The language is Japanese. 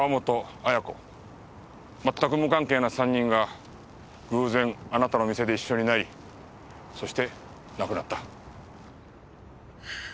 全く無関係な３人が偶然あなたの店で一緒になりそして亡くなった。